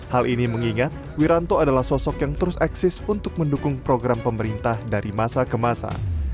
hal ini mengingat wiranto adalah sosok yang terus eksis untuk mendukung program pemerintah dari masa ke masa